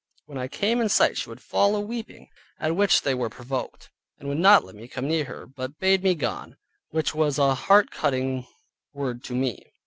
When I came in sight, she would fall aweeping; at which they were provoked, and would not let me come near her, but bade me be gone; which was a heart cutting word to me.